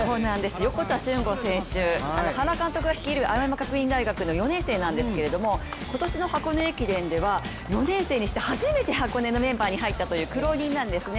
横田俊吾選手、原監督率いる青山学院大学の４年生なんですけれども、今年の箱根駅伝では４年生にして初めて箱根駅伝のメンバーに入ったという苦労人なんですね。